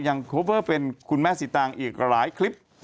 โคเวอร์เป็นคุณแม่สีตางอีกหลายคลิป